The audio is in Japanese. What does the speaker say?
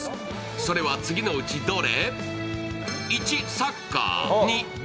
それは次のうち、どれ？